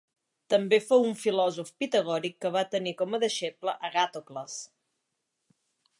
També fou un filòsof pitagòric que va tenir com a deixeble a Agàtocles.